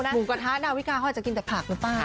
หมูกระทะดาวิกาเขาอาจจะกินแต่ผักหรือเปล่า